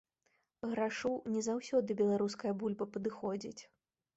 Грашу, не заўсёды беларуская бульба падыходзіць.